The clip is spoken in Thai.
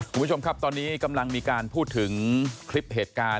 คุณผู้ชมครับตอนนี้กำลังมีการพูดถึงคลิปเหตุการณ์